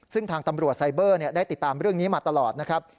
ซึ่งทางตำรวจไซเบอร์ได้ติดตามเรื่องนี้มาตลอดนะครับ